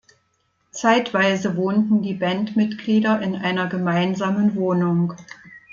Zeitweise wohnten die Bandmitglieder in einer gemeinsamen Wohnung.